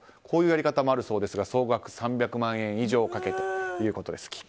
こういうやり方もあるそうですが総額３００万円以上かけてということです。